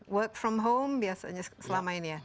work from home biasanya selama ini ya